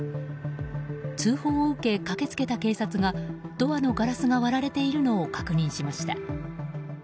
通報を受け駆けつけた警察がドアのガラスが割られているのを確認しました。